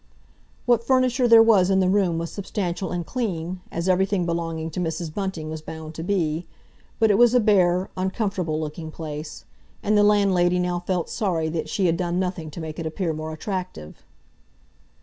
What furniture there was in the room was substantial and clean, as everything belonging to Mrs. Bunting was bound to be, but it was a bare, uncomfortable looking place, and the landlady now felt sorry that she had done nothing to make it appear more attractive.